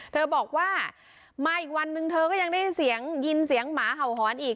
เธอบอกว่ามาอีกวันนึงเธอก็ยังได้ยินเสียงยินเสียงหมาเห่าหอนอีก